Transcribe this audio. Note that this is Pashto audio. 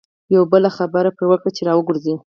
یوه بله خبره پر وکړه چې را وګرځي.